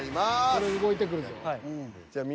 これ動いてくるぞ。